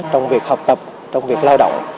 trong việc học tập trong việc lao động